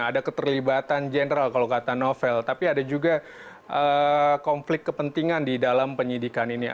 ada keterlibatan general kalau kata novel tapi ada juga konflik kepentingan di dalam penyidikan ini